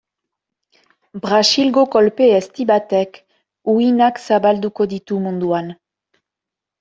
Brasilgo kolpe ezti batek uhinak zabalduko ditu munduan.